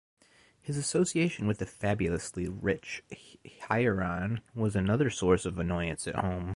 His association with the fabulously rich Hieron was another source of annoyance at home.